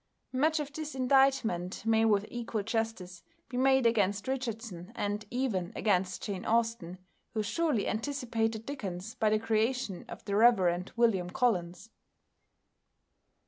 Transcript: Much of this indictment may with equal justice be made against Richardson and even against Jane Austen, who surely anticipated Dickens by the creation of the Rev. William Collins.